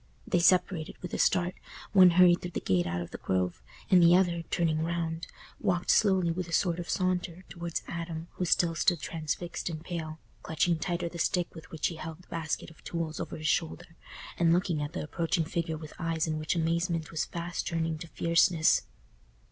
They separated with a start—one hurried through the gate out of the Grove, and the other, turning round, walked slowly, with a sort of saunter, towards Adam who still stood transfixed and pale, clutching tighter the stick with which he held the basket of tools over his shoulder, and looking at the approaching figure with eyes in which amazement was fast turning to fierceness.